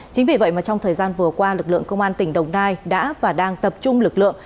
chính vì vậy mà trong thời gian vừa qua lực lượng công an tỉnh đồng nai đã và đang tập trung lực lượng